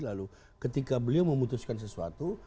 lalu ketika beliau memutuskan sesuatu